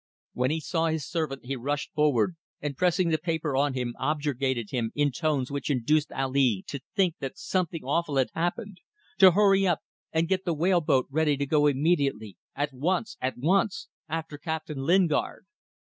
When he saw his servant he rushed forward, and pressing the paper on him objurgated him, in tones which induced Ali to think that something awful had happened, to hurry up and get the whale boat ready to go immediately at once, at once after Captain Lingard.